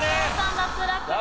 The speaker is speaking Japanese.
脱落！